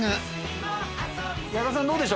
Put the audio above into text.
矢田さん。